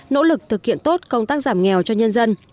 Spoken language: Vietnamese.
nỗ lực thực hiện tốt công tác giảm nghèo cho nhân dân